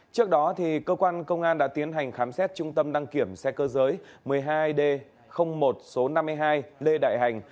trước đó cơ quan công an đã tiến hành khám xét trung tâm đăng kiểm xe cơ giới một mươi hai d một số năm mươi hai lê đại hành